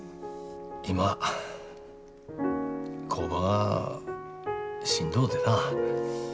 今、工場がしんどうてな。